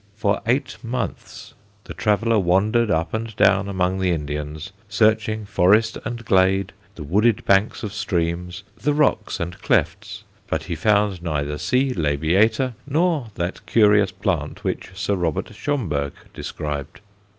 For eight months the traveller wandered up and down among the Indians, searching forest and glade, the wooded banks of streams, the rocks and clefts, but he found neither C. labiata nor that curious plant which Sir Robert Schomburgk described.